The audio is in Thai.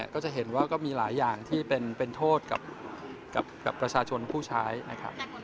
ก็จะเห็นว่าก็มีหลายอย่างที่เป็นโทษกับประชาชนผู้ใช้นะครับ